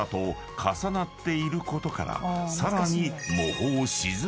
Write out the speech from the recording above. ［さらに］